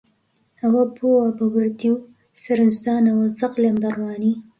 ئەوە بۆ وا بە وردی و سەرنجدانەوە زەق لێم دەڕوانی؟